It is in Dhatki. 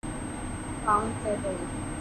ٻانگ ٿي پئي.